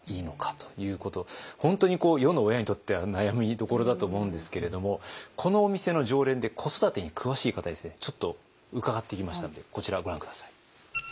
本当に世の親にとっては悩みどころだと思うんですけれどもこのお店の常連で子育てに詳しい方にですねちょっと伺ってきましたのでこちらをご覧下さい。